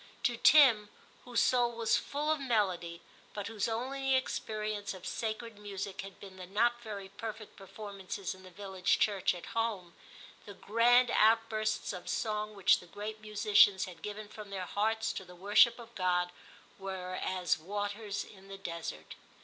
To Tim, whose soul was full of melody, but whose only experience of sacred music had been the not very perfect perform ances in the village church at home, the ii8 TIM CHAP. grand outbursts of song which the great musicians had given from their hearts to the worship of God, were as waters in the desert.